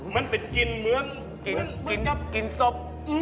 มันเป็นกลิ่นเหมือนกลิ่นกรับกินศพ